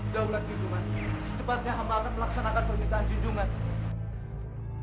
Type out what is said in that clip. daulat judungan secepatnya hamba akan melaksanakan permintaan junjungan